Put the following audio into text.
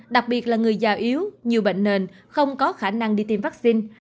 đặc biệt là người già yếu nhiều bệnh nền không có khả năng đi tiêm vaccine